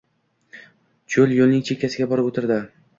Chol yoʻlning chekkasiga borib oʻtirdi.